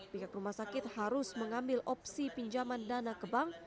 pihak rumah sakit harus mengambil opsi pinjaman dana ke bank